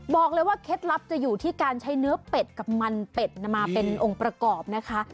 บอกเลยว่าเคล็ดลับจะอยู่ที่การใช้เนื้อเป็ดกับมันเป็ดมาเป็นองค์ประกอบนะคะ